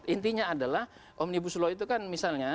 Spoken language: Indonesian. intinya adalah omnibus law itu kan misalnya